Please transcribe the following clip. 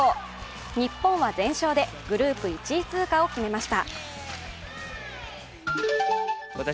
日本は全勝でグループ１位通過を決めました。